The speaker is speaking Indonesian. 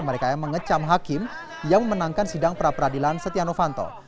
mereka yang mengecam hakim yang memenangkan sidang pra peradilan setia novanto